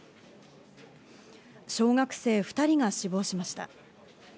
小学生２人が死亡しました。